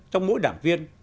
trong mỗi đảng viên